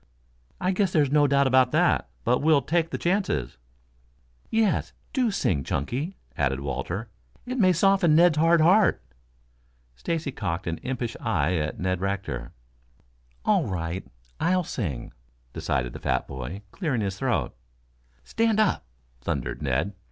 "I guess there's no doubt about that. But we'll take the chances." "Yes, do sing, Chunky," added Walter. "It may soften Ned's hard heart." Stacy cocked an impish eye at Ned Rector. "All right, I'll sing," decided the fat boy, clearing his throat. "Stand up," thundered Ned.